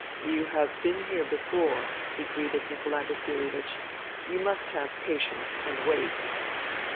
" You have been here before," he greeted Nikolai Vasilievich. " You must have patience and wait."